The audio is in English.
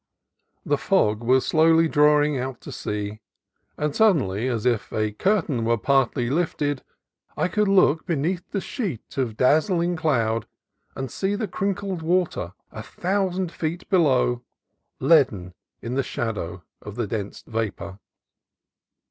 The fog was slowly drawing out to sea, and suddenly, as if a curtain were partly lifted, I could look beneath the sheet of dazzling cloud and see the crinkled water a thousand feet be low, leaden in the shadow of the dense vapor.